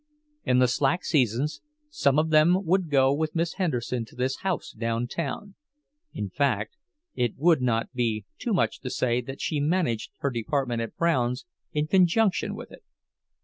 In the slack seasons some of them would go with Miss Henderson to this house downtown—in fact, it would not be too much to say that she managed her department at Brown's in conjunction with it.